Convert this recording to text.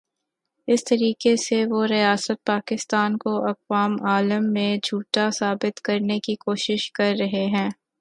اس طریقے سے وہ ریاست پاکستان کو اقوام عالم میں جھوٹا ثابت کرنے کی کوشش کررہے ہیں۔